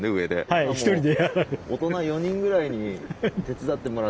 はい１人で。